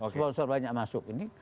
sponsor banyak masuk ini